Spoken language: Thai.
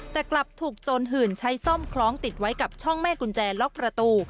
แต่กลับถูกโจรหื่นใช้ซ่อมคล้องติดไว้กับช่องแม่กุญแจล็อกประตู